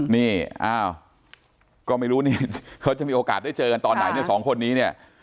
นี่อ้าวก็ไม่รู้นี่เขาจะมีโอกาสได้เจอกันตอนไหนเนี่ยสองคนนี้เนี่ย